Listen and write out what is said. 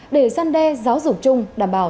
để gian đe giáo dục chung đảm bảo